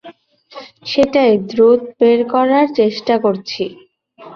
সেটাই দ্রুত বের করার চেষ্টা করছি।